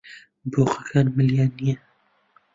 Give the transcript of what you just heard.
بۆقەکان ملیان نییە.